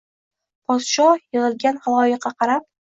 Podsho yig‘ilgan xaloyiqqa qarab